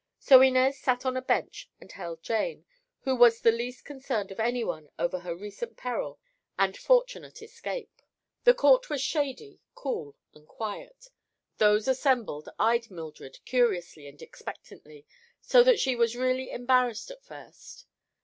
So Inez sat on a bench and held Jane, who was the least concerned of anyone over her recent peril and fortunate escape. The court was shady, cool and quiet. Those assembled eyed Mildred curiously and expectantly, so that she was really embarrassed at first.